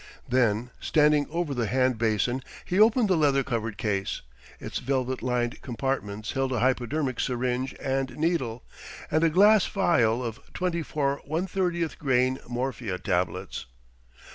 Then, standing over the hand basin, he opened the leather covered case. Its velvet lined compartments held a hypodermic syringe and needle, and a glass phial of twenty four one thirtieth grain morphia tablets.